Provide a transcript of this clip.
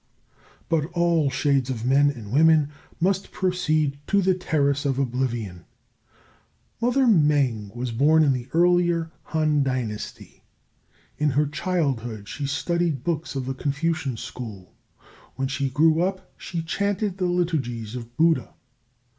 But all shades of men and women must proceed to the Terrace of Oblivion. Mother Mêng was born in the Earlier Han Dynasty. In her childhood she studied books of the Confucian school; when she grew up she chanted the liturgies of Buddha.